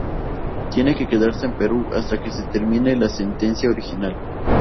Tiene que quedarse en Perú hasta que se termine la sentencia original.